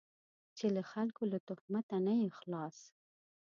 چې له خلکو له تهمته نه یې خلاص.